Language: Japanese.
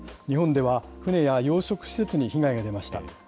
日本では船や養殖施設に被害が出ました。